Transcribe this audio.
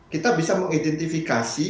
kita bisa mengidentifikasi